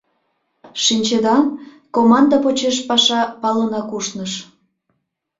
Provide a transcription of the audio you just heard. Шинчеда, команда почеш паша палынак ушныш.